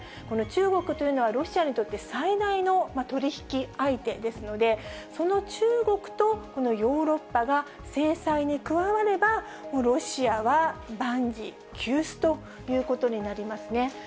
この中国というのは、ロシアにとって最大の取り引き相手ですので、その中国とこのヨーロッパが制裁に加われば、ロシアは万事休すということになりますね。